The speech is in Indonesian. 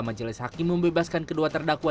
majelis hakim membebaskan kedua terdakwa